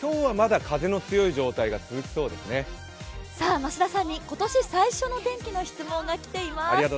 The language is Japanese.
増田さんに今年最初の天気の質問が来ています。